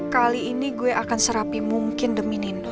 kali ini gue akan serapi mungkin demi nindu